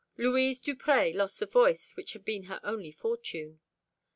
Louise Duprez lost the voice which had been her only fortune.